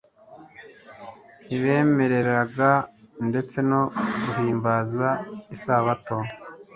ntibabemereraga ndetse no guhimbaza isabato